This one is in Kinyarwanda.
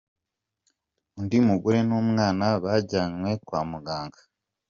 Undi mugore n’umwana bajyanywe kwa muganga.